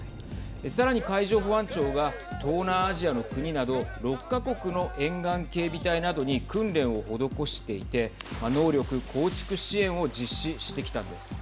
さらに、海上保安庁が東南アジアの国など６か国の沿岸警備隊などに訓練を施していて能力構築支援を実施してきたんです。